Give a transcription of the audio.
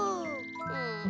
うん。